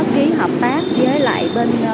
ký hợp tác với lại bên